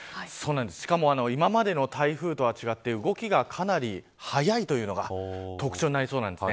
しかも、今までの台風とは違って動きがかなり速いというのが特徴になりそうなんです。